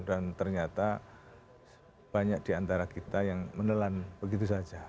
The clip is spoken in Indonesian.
dan ternyata banyak diantara kita yang menelan begitu saja